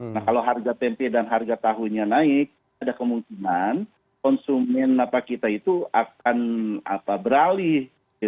nah kalau harga tempe dan harga tahunya naik ada kemungkinan konsumen kita itu akan beralih